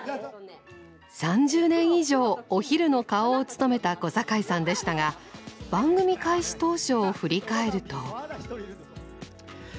３０年以上お昼の顔を務めた小堺さんでしたが番組開始当初を振り返ると。